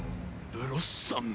ブロッサム？